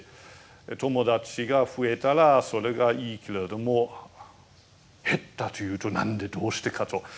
友達が増えたらそれがいいけれども減ったというと何でどうしてかと。